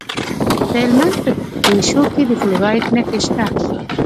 د هلمند په دیشو کې د فلورایټ نښې شته.